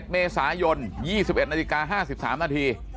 ๑เมษายน๒๑นาฬิกา๕๓นาที